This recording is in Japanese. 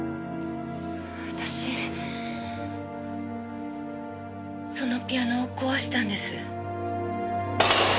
私そのピアノを壊したんです。